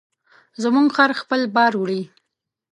زموږ خر خپل بار وړي.